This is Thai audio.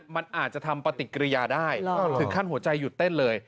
มันอาจจะทำปฏิกิริยาได้ถึงขั้นหัวใจหยุดเต้นเลย